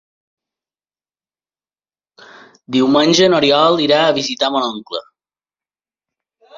Diumenge n'Oriol irà a visitar mon oncle.